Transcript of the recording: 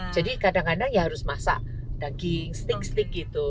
jadi kadang kadang ya harus masak daging steak gitu